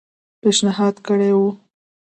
پېشنهاد کړی وو.